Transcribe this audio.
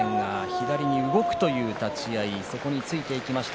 左に動くという立ち合いそこについていきました